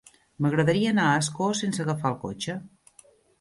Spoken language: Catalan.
M'agradaria anar a Ascó sense agafar el cotxe.